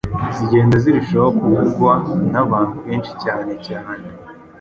zigenda zirushaho kuvugwa n’abantu benshi cyane cyane